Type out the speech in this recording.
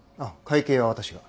会計は私が。